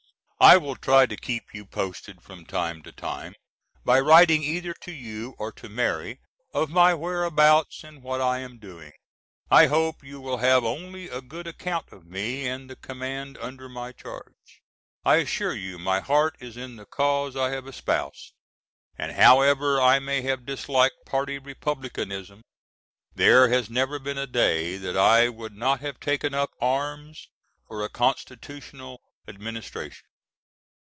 I will try to keep you posted from time to time, by writing either to you or to Mary, of my whereabouts and what I am doing. I hope you will have only a good account of me and the command under my charge. I assure you my heart is in the cause I have espoused, and however I may have disliked party Republicanism there has never been a day that I would not have taken up arms for a Constitutional Administration.